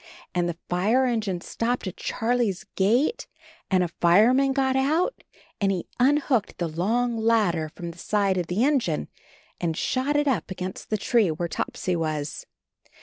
And the Are engine stopped at Charlie's gate, and a fireman got out, and he un hooked the long ladder from the side of the engine, and shot it up against the tree where Topsy was.